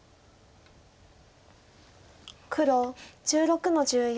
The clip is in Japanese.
黒１６の十四。